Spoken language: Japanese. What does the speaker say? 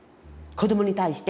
子どもに対して。